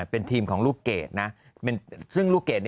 แป๊บ